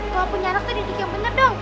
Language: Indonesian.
kalau punya anak tadi dirik yang bener dong